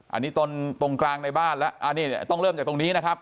อันนี้ตรงกลางในบ้านแล้วอันนี้ต้องเริ่มจากตรงนี้นะครับ